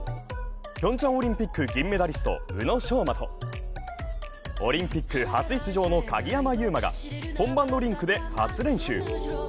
ピョンチャンオリンピック銀メダリスト宇野昌磨とオリンピック初出場の鍵山優真が本番のリンクで初練習。